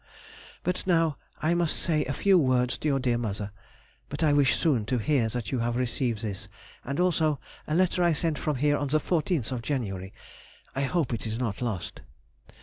But now I must say a few words to your dear mother, but I wish soon to hear that you have received this, and also a letter I sent from here on the 14th January. I hope it is not lost.